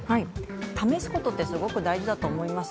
試すことってすごく大事だと思います。